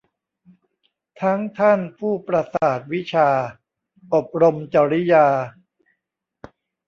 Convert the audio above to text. ทั้งท่านผู้ประสาทวิชา อบรมจริยา